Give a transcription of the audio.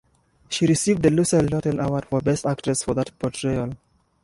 She received the Lucille Lortel Award for Best Actress for that portrayal.